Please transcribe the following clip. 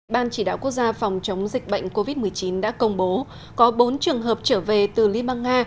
ban chỉ đạo quốc gia phòng chống dịch bệnh covid một mươi chín đã công bố có bốn trường hợp trở về từ liên bang nga